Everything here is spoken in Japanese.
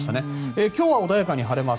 今日は穏やかに晴れます。